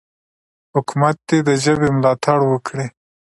حکومت دې د ژبې ملاتړ وکړي.